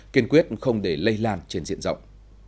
kiên quyết không để lây lan trên diện rộng